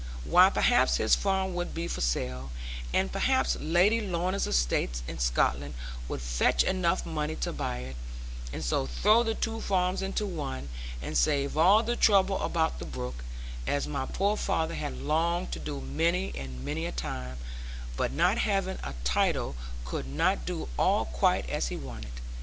why perhaps his farm would be for sale, and perhaps Lady Lorna's estates in Scotland would fetch enough money to buy it, and so throw the two farms into one, and save all the trouble about the brook, as my poor father had longed to do many and many a time, but not having a title could not do all quite as he wanted.